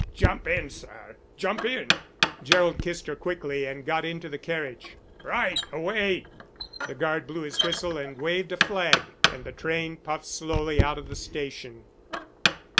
"Jump in, sir. Jump in." Gerald kissed her quickly and got into the carriage. "Right away!" The guard blew his whistle and waved a flag, and the train puffed slowly out of the station.